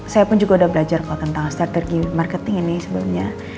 saya pun juga udah belajar kok tentang strategi marketing ini sebelumnya